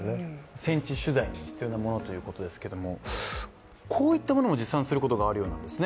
戦地取材に必要なものということですけどもこういったものも持参することがあるようなんですね。